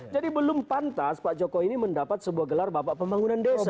jadi belum pantas pak jokowi ini mendapat sebuah gelar bapak pembangunan desa